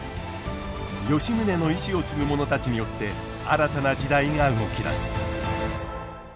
吉宗の遺志を継ぐ者たちによって新たな時代が動き出す。